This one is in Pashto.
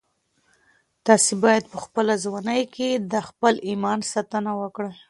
تاسي باید په خپله ځواني کي د خپل ایمان ساتنه وکړئ.